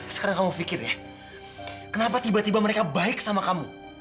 sekarang kamu pikir ya kenapa tiba tiba mereka baik sama kamu